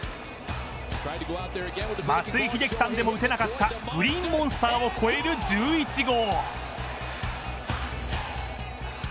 松井秀喜さんでも打てなかったグリーンモンスターを越える１１号。